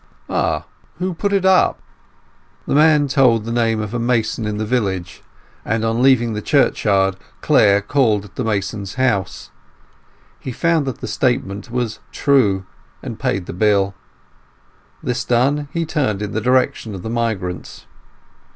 "Ah, who put it up?" The man told the name of a mason in the village, and, on leaving the churchyard, Clare called at the mason's house. He found that the statement was true, and paid the bill. This done, he turned in the direction of the migrants.